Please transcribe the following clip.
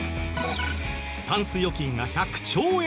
タンス預金が１００兆円以上。